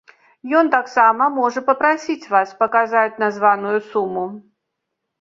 Ён таксама можа папрасіць вас паказаць названую суму.